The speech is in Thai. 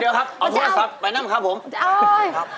เดี๋ยวครับเอาตัวซับไปนั่มครับผม